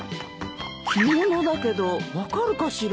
着物だけど分かるかしら？